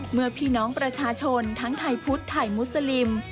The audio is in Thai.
เมื่อพี่น้องประชาชนทั้งไทยพุทธไทยมุสลิม